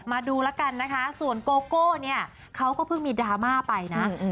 มาดูแล้วกันนะคะส่วนโกโก้เนี่ยเขาก็เพิ่งมีดราม่าไปนะ